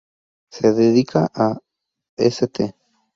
Se dedica a St.